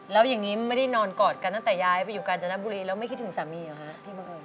แล้วอย่างนี้ไม่ได้นอนกอดกันตั้งแต่ย้ายไปอยู่กาญจนบุรีแล้วไม่คิดถึงสามีเหรอฮะพี่บังเอิญ